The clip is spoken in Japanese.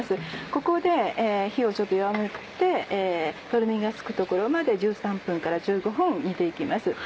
ここで火をちょっと弱めてとろみがつくところまで１３分から１５分煮て行きます。